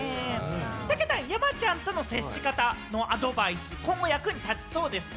たけたん、山ちゃんとの接し方のアドバイス、今後、役に立ちそうですか？